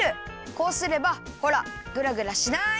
こうすればほらグラグラしない！